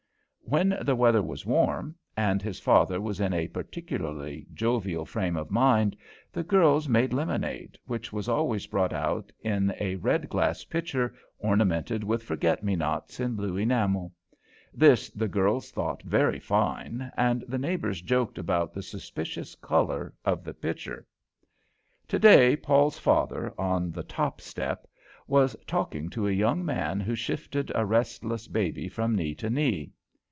When the weather was warm, and his father was in a particularly jovial frame of mind, the girls made lemonade, which was always brought out in a red glass pitcher, ornamented with forget me nots in blue enamel. This the girls thought very fine, and the neighbours joked about the suspicious colour of the pitcher. Today Paul's father, on the top step, was talking to a young man who shifted a restless baby from knee to knee.